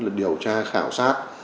là điều tra khảo sát